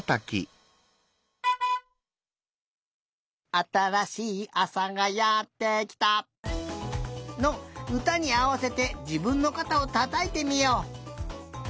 「あたらしいあさがやってきた」のうたにあわせてじぶんのかたをたたいてみよう！